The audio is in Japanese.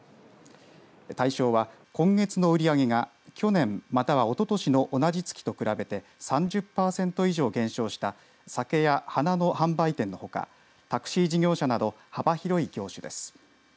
対象は、今月の売り上げが去年、またはおととしの同じ月と比べて３０パーセント以上減少した酒や花の販売店のほかタクシー事業者など幅広い業種です。